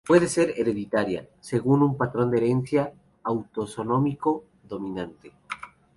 Puede ser hereditaria, según un patrón de herencia autosómico dominante.